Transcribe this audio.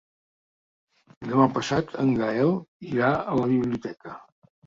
Demà passat en Gaël irà a la biblioteca.